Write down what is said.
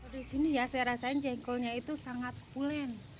disini ya saya rasain jengkolnya itu sangat pulen